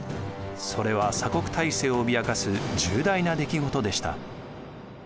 それは鎖国体制を脅かす重大な出来事でした。